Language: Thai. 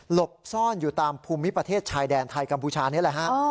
หลบซ่อนอยู่ตามพุ่มมิพิพัทธิศชายแดนไทยกัมพูชานี่แหละฮะ